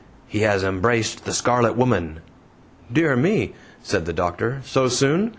He has embraced the Scarlet Woman!" "Dear me!" said the doctor, "so soon?